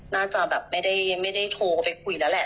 น่าจะแบบไม่ได้โทรไปคุยแล้วแหละ